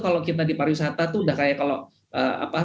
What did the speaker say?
kalau kita di pariwisata itu sudah seperti